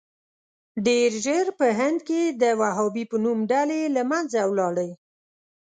ډېر ژر په هند کې د وهابي په نوم ډلې له منځه ولاړې.